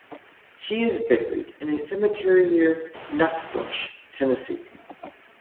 He is buried in a cemetery near Nutbush, Tennessee.